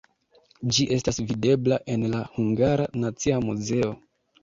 Ĝi estas videbla en la Hungara Nacia Muzeo.